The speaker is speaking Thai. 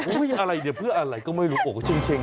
อะไรเนี่ยเพื่ออะไรก็ไม่รู้โอ้เช็ง